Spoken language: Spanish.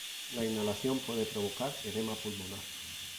La inhalación puede provocar edema pulmonar.